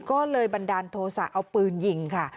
ก็เลยบันดาลโทษะเอาปืนยิงค่ะ